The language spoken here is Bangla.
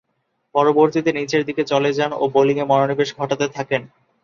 পরবর্তীতে নিচেরদিকে চলে যান ও বোলিংয়ে মনোনিবেশ ঘটাতে থাকেন।